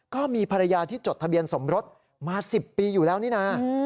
ก็มีภรรยาที่จดทะเบียนสมรสมา๑๐ปีอยู่แล้วนี่นะ